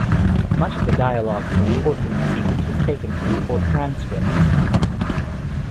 Much of the dialogue from the courtroom scenes was taken from the court transcripts.